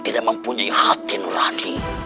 tidak mempunyai hati nurani